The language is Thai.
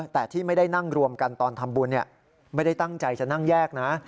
แต่ที่ไม่ได้นั่งรวมกันตอนทำบุญไม่ได้ตั้งใจจะนั่งแยกนะ